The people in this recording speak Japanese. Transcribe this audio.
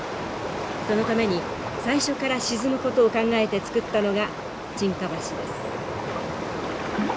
そのために最初から沈むことを考えて造ったのが沈下橋です。